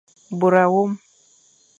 Bôr awôm.